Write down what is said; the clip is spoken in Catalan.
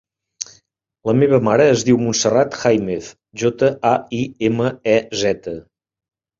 La meva mare es diu Montserrat Jaimez: jota, a, i, ema, e, zeta.